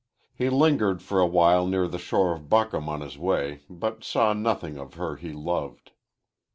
He lingered for awhile near the shore of Buckhom on his way, but saw nothing of her he loved.